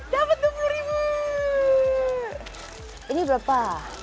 ya nyaris berapa